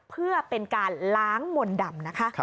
เพื่อเป็นการล้างมนต์ดำนะคะ